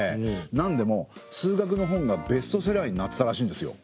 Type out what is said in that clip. なんでも数学の本がベストセラーになってたらしいんですよ。